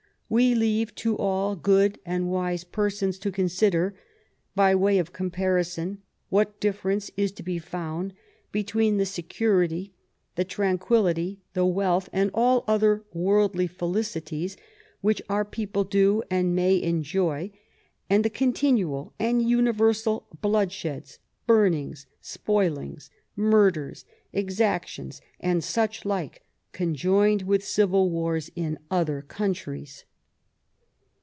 " We leave to all good and wise persons to consider, by way of comparison, what difference is to be found between the security, the tranquillity, the wealth, and all other worldly felicities, which our people do and may enjoy, and the continual and universal bloodsheds, burnings, spoilings, murders, exactions and such like, conjoined with civil wars in other countries."